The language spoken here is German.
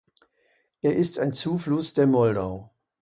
Er ist ein Zufluss der Moldau.